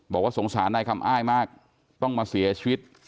บอกว่าสงสารนายคำอ้ายมากต้องมาเสียชีวิต